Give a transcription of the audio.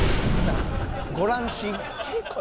ご乱心。